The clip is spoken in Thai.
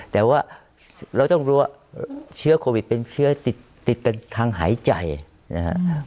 แต่ว่าเราต้องรู้ว่าเชื้อโควิดเป็นเชื้อติดกันทางหายใจนะครับ